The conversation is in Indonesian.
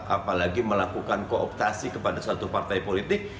apalagi melakukan kooptasi kepada satu partai politik